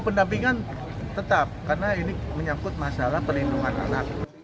pendampingan tetap karena ini menyangkut masalah perlindungan anak